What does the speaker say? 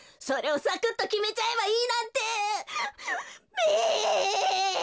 それをサクッときめちゃえばいいなんてべ！